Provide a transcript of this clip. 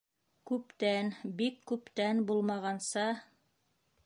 Күптән, бик күптән булмағанса...